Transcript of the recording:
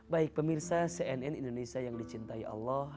baik pemirsa cnn indonesia yang dicintai allah